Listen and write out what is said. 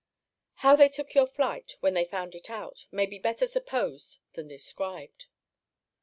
How they took your flight, when they found it out, may be better supposed than described.